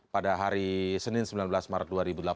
pada hari senin sembilan belas maret dua ribu delapan belas